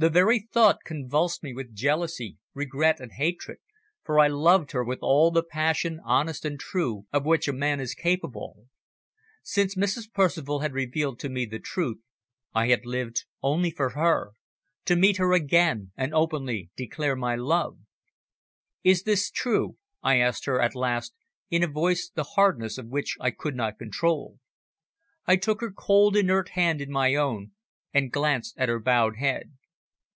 The very thought convulsed me with jealousy, regret and hatred, for I loved her with all the passion, honest and true, of which a man is capable. Since Mrs. Percival had revealed to me the truth, I had lived only for her, to meet her again and openly declare my love. "Is this the truth?" I asked her at last in a voice the hardness of which I could not control. I took her cold, inert hand in my own and glanced at her bowed head.